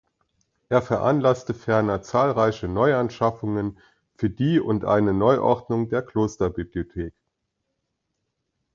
Er veranlasste ferner zahlreiche Neuanschaffungen für die und eine Neuordnung der Klosterbibliothek.